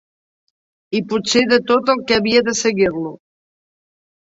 I potser de tot el que havia de seguir-lo